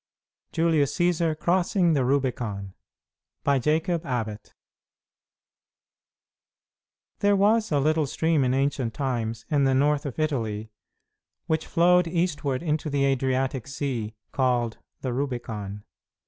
JULIUS CĆSAR CROSSING THE RUBICON By Jacob Abbott There was a little stream in ancient times, in the north of Italy, which flowed eastward into the Adriatic Sea, called the Rubicon.